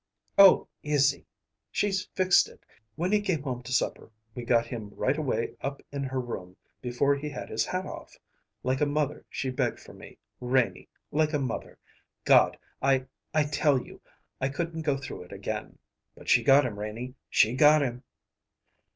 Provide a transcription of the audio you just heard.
"Oh, Izzy!" "She's fixed it. When he came home to supper we got him right away up in her room before he had his hat off. Like a mother she begged for me, Renie like a mother. God! I I tell you I couldn't go through it again; but she got him, Renie she got him!"